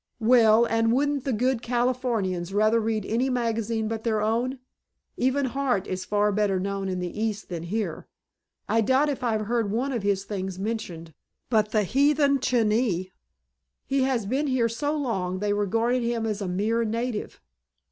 "Well, and wouldn't the good Californians rather read any magazine but their own? Even Harte is far better known in the East than here. I doubt if I've heard one of his things mentioned but 'The Heathen Chinee.' He has been here so long they regard him as a mere native.